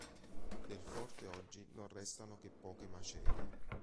Del forte oggi non restano che poche macerie.